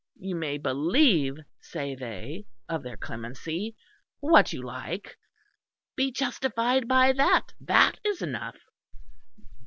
You may believe, say they, of their clemency, what you like; be justified by that; that is enough!